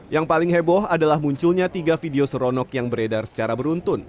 yang paling heboh adalah munculnya tiga video seronok yang beredar secara beruntun